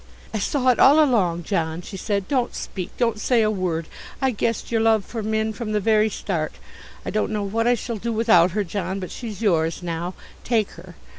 "I saw it all along, John," she said. "Don't speak. Don't say a word. I guessed your love for Minn from the very start. I don't know what I shall do without her, John, but she's yours now; take her."